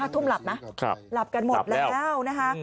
ทุ่มหลับไหมหลับกันหมดแล้วนะคะ